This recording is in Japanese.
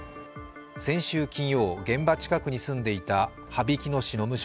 先週金曜、現場近くに住んでいた羽曳野市の